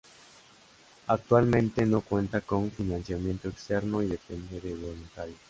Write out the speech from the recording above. Actualmente no cuenta con financiamiento externo y depende de voluntarios.